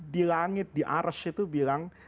di langit di ares itu bilang